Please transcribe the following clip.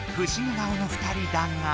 顔の２人だが。